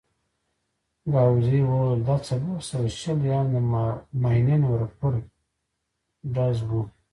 ګاووزي وویل: دا څلور سوه شل یا هم د ماينين ورفر ډز وو.